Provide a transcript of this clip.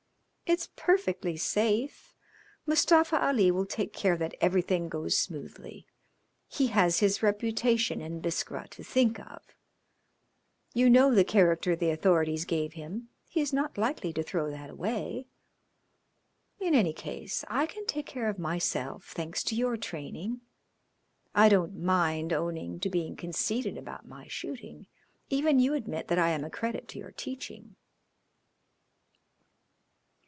It's perfectly safe. Mustafa Ali will take care that everything goes smoothly. He has his reputation in Biskra to think of. You know the character the authorities gave him. He is not likely to throw that away. In any case I can take care of myself, thanks to your training. I don't mind owning to being conceited about my shooting. Even you admit that I am a credit to your teaching."